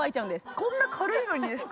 こんな軽いのにですか？